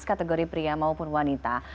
kategori pria maupun wanita